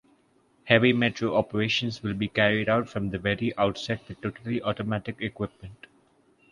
Heavy metro operations will be carried out from the very outset with totally automatic equipment.